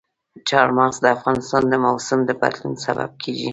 چار مغز د افغانستان د موسم د بدلون سبب کېږي.